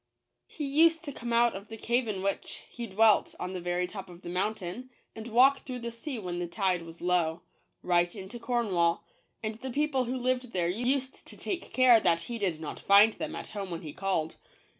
He used to come out oi the cave in whicn he dwelt on the very top of the mountain, and walk through the sea when the tide was low, right into Cornwall ; and the people who lived there used to take care that he did not find them at home when he called.